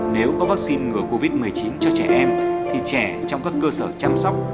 nếu có vaccine ngừa covid một mươi chín cho trẻ em thì trẻ trong các cơ sở chăm sóc